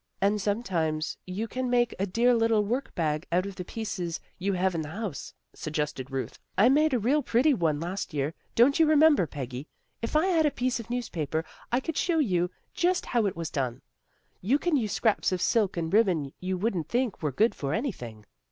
" And, sometimes, you can make a dear little work bag out of pieces you have in the house," suggested Ruth. " I made a real pretty one last year: don't you remember, Peggy? If I had a piece of newspaper I could show you just ELAINE HAS VISITORS 95 how it was done. You can use scraps of silk and ribbon you wouldn't think were good for anything."